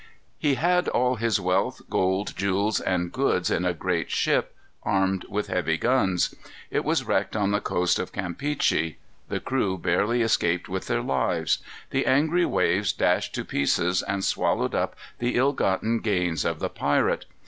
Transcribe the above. He had all his wealth, gold, jewels, and goods in a great ship, armed with heavy guns. It was wrecked on the coast of Campeachy. The crew barely escaped with their lives. The angry waves dashed to pieces and swallowed up the ill gotten gains of the pirate.